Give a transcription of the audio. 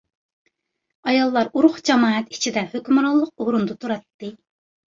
ئاياللار ئۇرۇق-جامائەت ئىچىدە ھۆكۈمرانلىق ئورۇندا تۇراتتى.